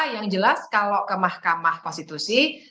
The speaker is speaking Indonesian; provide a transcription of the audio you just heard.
yang jelas kalau ke mahkamah konstitusi